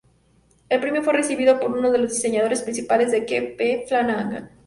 El premio fue recibido por uno de los diseñadores principales, Kevin P Flanagan.